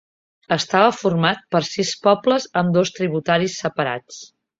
Estava format per sis pobles amb dos tributaris separats.